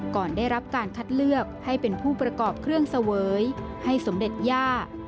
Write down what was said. ก่อนได้รับการคัดเลือกให้เป็นผู้ประกอบเครื่องเสวยให้สมเด็จย่า